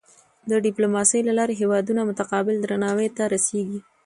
د ډیپلوماسۍ له لارې هېوادونه متقابل درناوي ته رسيږي.